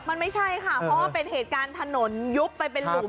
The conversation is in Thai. มันไม่ใช่ค่ะเพราะว่าเป็นเหตุการณ์ถนนยุบไปเป็นหลุม